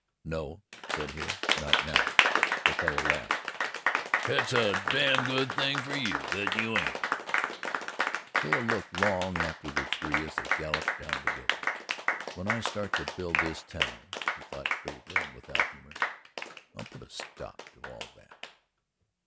"No," said Hale, "not now." The fellow laughed. "Hit's a damned good thing for you that you ain't." Hale looked long after the three as they galloped down the road. "When I start to build this town," he thought gravely and without humour, "I'll put a stop to all that."